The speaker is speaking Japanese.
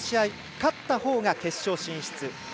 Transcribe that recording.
勝ったほうが決勝進出。